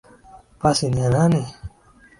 Pasi ni ya nani.